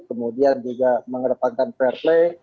kemudian juga mengedepankan fair play